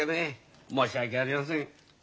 申し訳ありません。